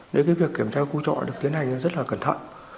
để việc kiểm tra khu trọ được tiến hành rất là cẩn thận